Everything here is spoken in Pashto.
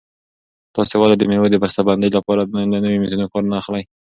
تاسې ولې د مېوو د بسته بندۍ لپاره له نویو میتودونو کار نه اخلئ؟